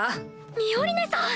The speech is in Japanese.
ミオリネさん！